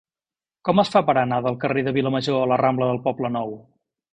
Com es fa per anar del carrer de Vilamajor a la rambla del Poblenou?